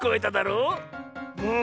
うん。